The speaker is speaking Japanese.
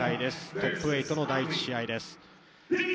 トップ８の第１試合です。